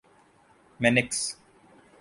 مینکس